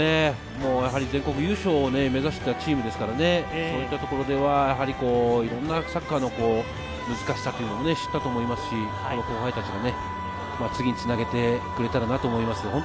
全国優勝を目指したチームですからね、そういったところでは、いろんなサッカーの難しさというのを知ったと思いますし、後輩たちが次につなげてくれたらなと思います。